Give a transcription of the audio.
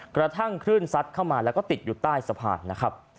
กระทั่งคลื่นซัดเข้ามาแล้วก็ติดอยู่ใต้สะพานนะครับ